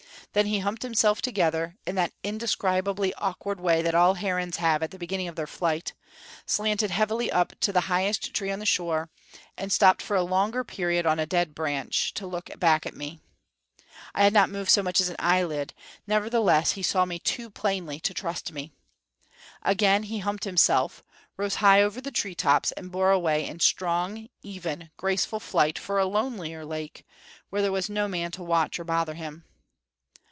Then he humped himself together, in that indescribably awkward way that all herons have at the beginning of their flight, slanted heavily up to the highest tree on the shore, and stopped for a longer period on a dead branch to look back at me. I had not moved so much as an eyelid; nevertheless he saw me too plainly to trust me. Again he humped himself, rose high over the tree tops and bore away in strong, even, graceful flight for a lonelier lake, where there was no man to watch or bother him.